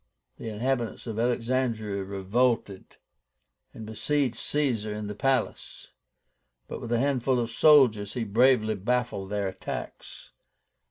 The inhabitants of Alexandría revolted, and besieged Caesar in the palace; but with a handful of soldiers he bravely baffled their attacks.